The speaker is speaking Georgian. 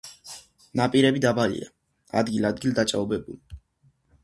ნაპირები დაბალია, ადგილ-ადგილ დაჭაობებული.